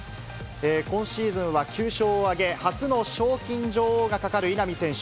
今シーズンは９勝を挙げ、初の賞金女王がかかる稲見選手。